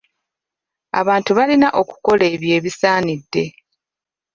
Abantu balina okukola ebyo ebisaanidde.